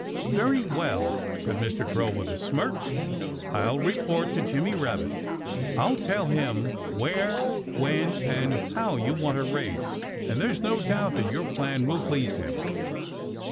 "Very well!" said Mr. Crow with a smirk, "I'll report to Jimmy Rabbit. I'll tell him where, when and how you want to race, and there's no doubt that your plan will please him."